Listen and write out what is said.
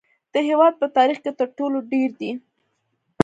د هیواد په تاریخ کې تر ټولو ډیر دي